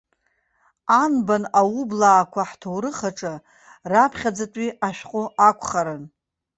Анбан аублаақәа ҳҭоурых аҿы раԥхьаӡатәи ашәҟәы акәхарын.